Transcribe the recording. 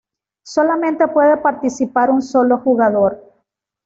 Solamente puede participar un solo jugador.